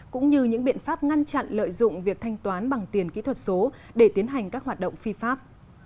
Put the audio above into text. cũng như những biện pháp ngăn chặn lợi dụng việc thanh toán bằng tiền kỹ thuật số để tiến hành các hoạt động phi pháp